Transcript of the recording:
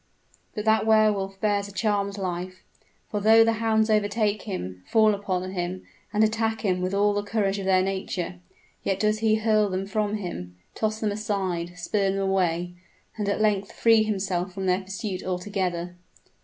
But that Wehr Wolf bears a charmed life; for though the hounds overtake him fall upon him and attack him with all the courage of their nature, yet does he hurl them from him, toss them aside, spurn them away, and at length free himself from their pursuit altogether!